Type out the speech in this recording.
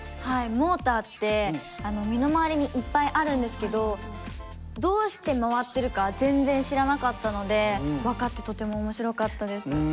モーターって身の回りにいっぱいあるんですけどどうして回ってるか全然知らなかったので分かってとても面白かったです。